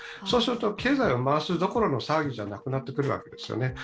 そうすると経済を回すどころの騒ぎじゃなくなってくるわけですよね。